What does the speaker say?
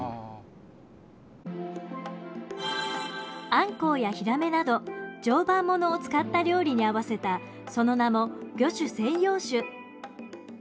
アンコウやヒラメなど常磐ものを使った料理に合わせたその名も魚種専用酒。